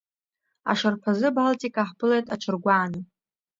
Ашарԥазы Балтика ҳԥылеит аҽыргәааны.